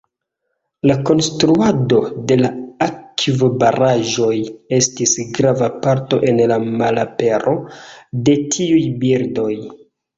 La konstruado de la akvobaraĵoj estis grava parto en la malapero de tiuj birdoj.